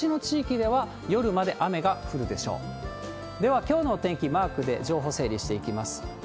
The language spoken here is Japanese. では、きょうのお天気、マークで情報整理していきます。